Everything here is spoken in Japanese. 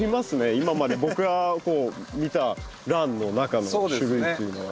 今まで僕がこう見たランの中の種類というのは。